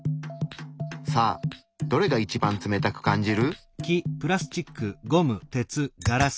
さあどれが一番冷たく感じる？